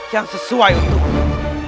yang sesuai untukmu